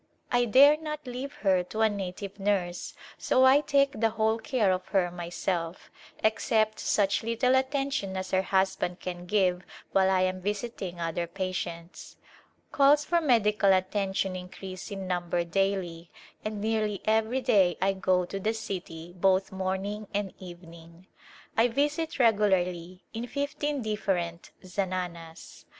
I dare not leave her to a native nurse so I take the whole care of her myself, except such little attention as her husband can give while I am visiting other patients. Calls for medical attention increase in number daily and nearly every day I go to the city both morning and evening. I visit regularly in fifteen dif ferent zananas.